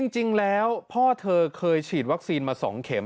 จริงแล้วพ่อเธอเคยฉีดวัคซีนมา๒เข็ม